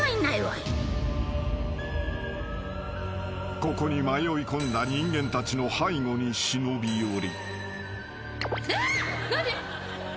［ここに迷いこんだ人間たちの背後に忍び寄り］